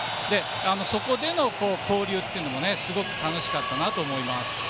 そこでの交流もすごく楽しかったなと思います。